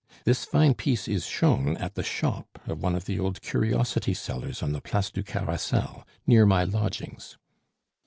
This fine piece is shown at the shop of one of the old curiosity sellers on the Place du Carrousel, near my lodgings.